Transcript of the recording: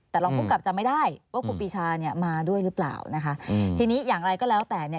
แต่รองภูมิกับจำไม่ได้ว่าครูปีชาเนี่ยมาด้วยหรือเปล่านะคะทีนี้อย่างไรก็แล้วแต่เนี่ย